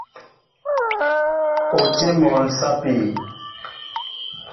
O tí na mol sapi?